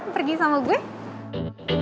pergi sama gue